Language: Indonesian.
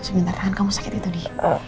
sebentar tangan kamu sakit gitu di